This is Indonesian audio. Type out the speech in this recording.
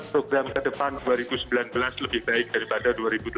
program ke depan dua ribu sembilan belas lebih baik daripada dua ribu dua puluh